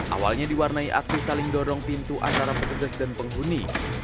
awalnya diwarnai aksi saling dorong pintu antara petugas dan penghuni